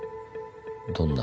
どんな？